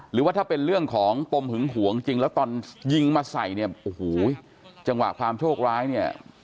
หรือว่าถ้าเป็นเรื่องของปมหึงหวงจริงแล้วตอนยิงมาใส่เนี่ยโอ้โหจังหวะความโชคร้ายเนี่ย